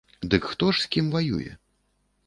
Дык хто ж з кім ваюе?